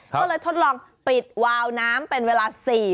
ก็เลยทดลองปิดวาวน้ำเป็นเวลา๔นาที